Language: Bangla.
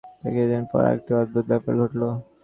তার কিছুদিন পর আরেকটি অদ্ভুত ব্যাপার ঘটল।